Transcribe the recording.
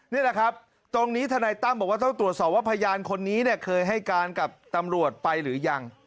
นี่แหละครับตรงนี้ทนายตั้มบอกว่าต้องตรวจสอบว่าพยานคนนี้เนี่ยเคยให้การกับตำรวจไปหรือยัง